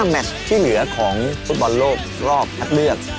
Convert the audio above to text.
แมชที่เหลือของฟุตบอลโลกรอบคัดเลือก